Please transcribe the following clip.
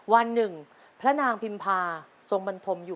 วันหนึ่งพระนางพิมพาทรงบรรทมอยู่